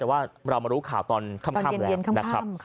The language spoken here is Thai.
เราวาเรามารู้ข่าวตอนค่ำแล้ว